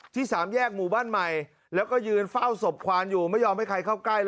สามแยกหมู่บ้านใหม่แล้วก็ยืนเฝ้าศพควานอยู่ไม่ยอมให้ใครเข้าใกล้